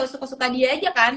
suka suka dia aja kan